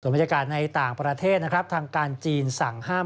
ส่วนบรรยากาศในต่างประเทศทางการจีนสั่งห้าม